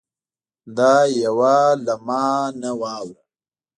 دا یوه له ما نه واوره